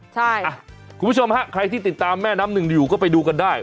คุณผู้ชมฮะใครที่ติดตามแม่น้ำหนึ่งอยู่ก็ไปดูกันได้